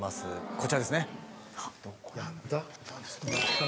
こちらですね。